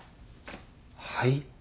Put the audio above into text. はい？